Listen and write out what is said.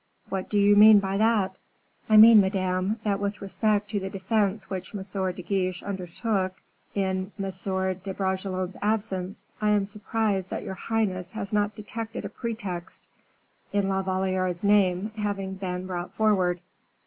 "What do you mean by that?" "I mean, Madame, that, with respect to the defense which Monsieur de Guiche undertook in M. de Bragelonne's absence, I am surprised that your highness has not detected a pretext in La Valliere's name having been brought forward."